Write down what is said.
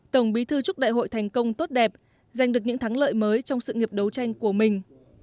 tổng bí thư chúc đại hội thành công tốt đẹp giành được những thắng lợi mới trong sự nghiệp đấu tranh của mình